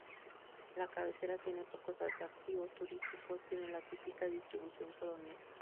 La cabecera tiene pocos atractivos turísticos, tiene la típica distribución colonial.